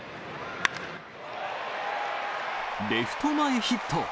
レフト前ヒット。